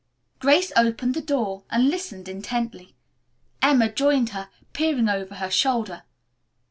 Grace opened the door and listened intently. Emma joined her, peering over her shoulder.